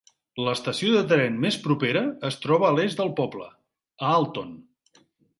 L'estació de tren més propera es troba a l'est del poble, a Alton.